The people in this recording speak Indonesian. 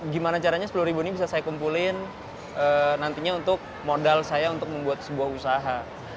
gimana caranya sepuluh ribu ini bisa saya kumpulin nantinya untuk modal saya untuk membuat sebuah usaha